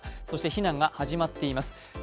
そして避難が始まっています。